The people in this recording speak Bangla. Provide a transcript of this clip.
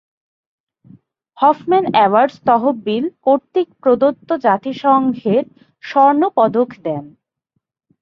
হফম্যান অ্যাওয়ার্ডস তহবিল কর্তৃক প্রদত্ত জাতিসংঘের স্বর্ণ পদক দেন।